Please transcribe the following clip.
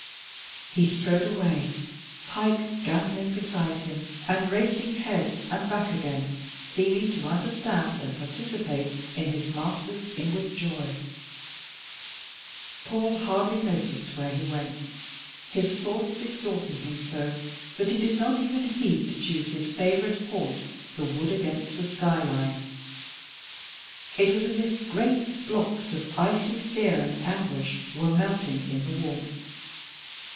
He strode away, Pike gambolling beside him, and racing ahead and back again, seeming to understand and participate in his master's inward joy. Paul hardly noticed where he went, his thoughts exalting him so that he did not even heed to choose his favourite haunt, the wood against the sky line. It was as if great blocks of icy fear and anguish were melting in the warmth.